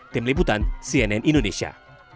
tim liputan cnn indonesia